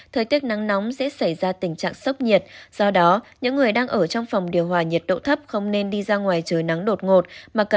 thời tiết nắng nóng sẽ xảy ra tình trạng sốc nhiệt do đó những người đang ở trong phòng điều hòa nhiệt độ thấp không nên đi ra ngoài trời nắng đột ngột